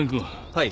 はい。